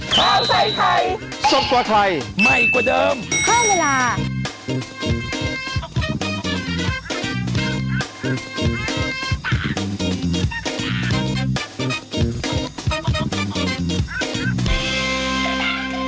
คุณแพทย์ทองทานเนี่ยจะใช่หัวหน้าพัก